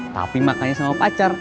tapi makannya sama pacar